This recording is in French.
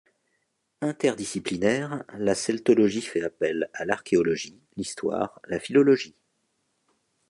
Interdisciplinaire, la celtologie fait appel à l’archéologie, l’histoire, la philologie.